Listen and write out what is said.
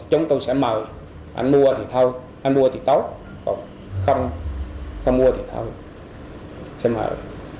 chúng tôi sẽ mời anh mua thì thôi anh mua thì tốt còn không mua thì thôi sẽ mời